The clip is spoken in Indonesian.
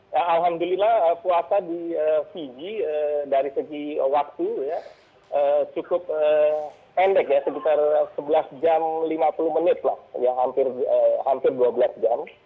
ya alhamdulillah puasa di fiji dari segi waktu cukup pendek ya sekitar sebelas jam lima puluh menit lah ya hampir dua belas jam